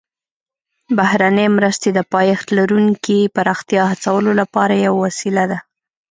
بهرنۍ مرستې د پایښت لرونکي پراختیا هڅولو لپاره یوه وسیله ده